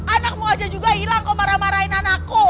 anakmu aja juga hilang kok marah marahin anakku